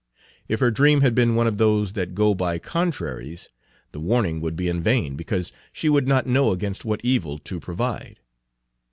If her dream had been one of those that go by contraries, the warning would be in vain, because she would not know against what evil to provide.